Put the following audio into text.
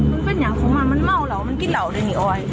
มันเป็นอย่างของมันมันเมาเหล่ามันกินเหล่าเลยนี่ออย